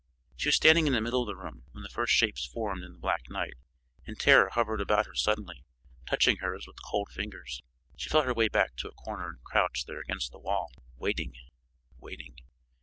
She was standing in the middle of the room when the first shapes formed in the black night, and terror hovered about her suddenly, touching her as with cold fingers. She felt her way back to a corner and crouched there against the wall, waiting, waiting.